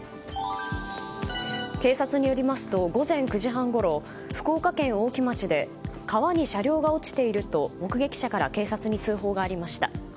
警察によりますと午前９時半ごろ福岡県大木町で川に車両が落ちていると目撃者から警察に通報がありました。